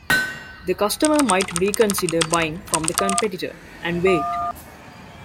The customer might reconsider buying from the competitor, and wait.